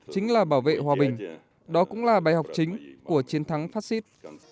chính là bảo vệ hòa bình đó cũng là bài học chính của chiến thắng fascist